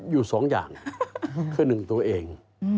อยู่๒อย่างก็หรือ๑ตัวเอง